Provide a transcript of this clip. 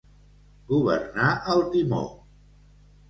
Governar el timó.